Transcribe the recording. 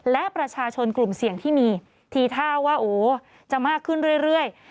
และประชาชนกลุ่มเสี่ยงที่มีทีท่าว่าจะมากขึ้นเรื่อย